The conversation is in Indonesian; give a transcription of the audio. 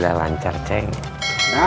nah begini seharusnya